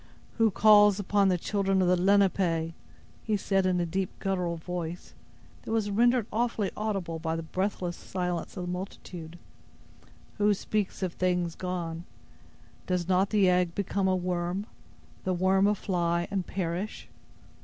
"Who calls upon the children of the Lenape?" he said, in a deep, guttural voice, that was rendered awfully audible by the breathless silence of the multitude; "who speaks of things gone? Does not the egg become a worm—the worm a fly, and perish?